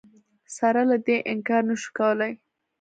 سره له دې انکار نه شو کولای